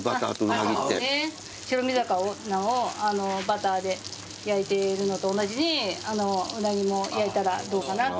白身魚をバターで焼いているのと同じにうなぎも焼いたらどうかなっていうことで。